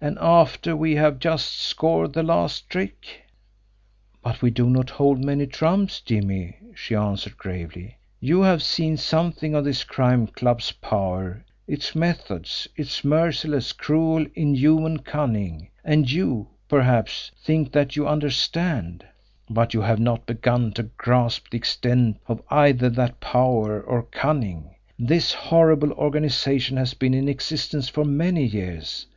And after we have just scored the last trick!" "But we do not hold many trumps, Jimmie," she answered gravely. "You have seen something of this Crime Club's power, its methods, its merciless, cruel, inhuman cunning, and you, perhaps, think that you understand but you have not begun to grasp the extent of either that power or cunning. This horrible organisation has been in existence for many years.